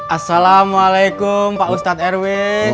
asalamualaikum pak ustadz erwes